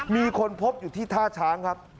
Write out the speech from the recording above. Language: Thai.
มีคนพบอยู่ที่ท่าช้างครับ